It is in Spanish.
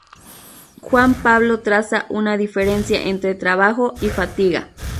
Juan Pablo traza una diferencia entre trabajo y fatiga.